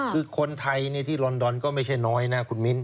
คือคนไทยที่ลอนดอนก็ไม่ใช่น้อยนะคุณมิ้น